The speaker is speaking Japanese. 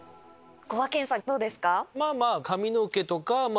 こがけんさんどうですか？